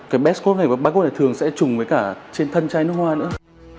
cái bestcode này và barcode này thường sẽ chùng với cả trên thân chai nước hoa nữa